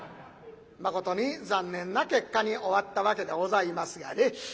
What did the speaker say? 誠に残念な結果に終わったわけでございますがね。